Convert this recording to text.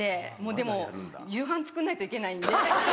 でも夕飯作んないといけないんで。